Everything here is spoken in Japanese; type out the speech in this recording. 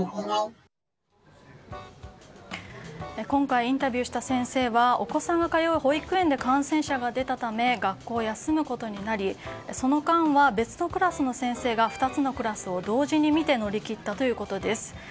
今回インタビューした先生はお子さんが通う保育園で感染者が出たため学校を休むことになりその間は別のクラスの先生が２つのクラスを同時に見て乗り切ったということです。